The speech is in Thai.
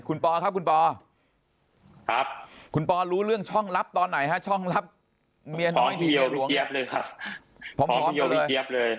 คุณพอครับคุณพอคุณพอรู้เรื่องช่องลับตอนไหนฮะช่องลับเมียน้อยมีเมียหลวงครับผมพร้อมตัวเลย